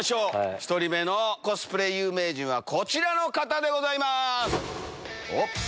１人目のコスプレ有名人はこちらの方でございます。